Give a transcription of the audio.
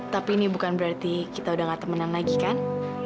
tapi ini bukan berarti kita udah gak temenan lagi kan